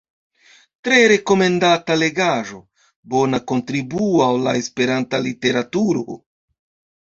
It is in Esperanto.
Tre rekomendata legaĵo, bona kontribuo al la Esperanta literaturo.